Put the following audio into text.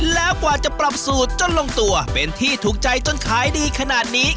แล้วกว่าจะปรับสูตรจนลงตัวเป็นที่ถูกใจจนขายดีขนาดนี้